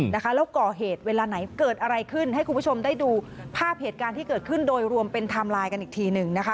แล้วก่อเหตุเวลาไหนเกิดอะไรขึ้นให้คุณผู้ชมได้ดูภาพเหตุการณ์ที่เกิดขึ้นโดยรวมเป็นไทม์ไลน์กันอีกทีหนึ่งนะคะ